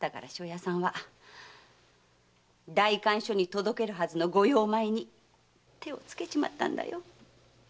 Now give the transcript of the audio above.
だから庄屋さんは代官所に届けるはずの御用米に手を付けちまったんだよ。